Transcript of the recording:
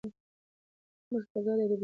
موږ به په ګډه د بې سوادۍ پر وړاندې جنګېږو.